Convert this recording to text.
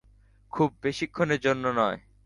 খুব বেশিক্ষণের জন্য নয়।